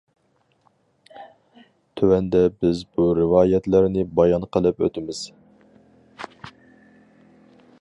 تۆۋەندە بىز بۇ رىۋايەتلەرنى بايان قىلىپ ئۆتىمىز.